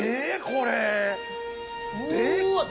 これ。